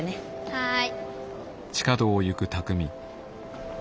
はい。